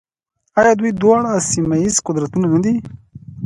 آیا دوی دواړه سیمه ییز قدرتونه نه دي؟